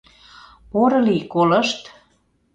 — Порылий, колышт.